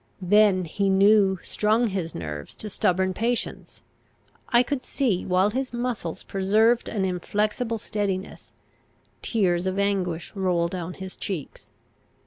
Then he new strung his nerves to stubborn patience. I could see, while his muscles preserved an inflexible steadiness, tears of anguish roll down his cheeks.